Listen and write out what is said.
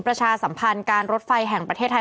เป็นการกระตุ้นการไหลเวียนของเลือด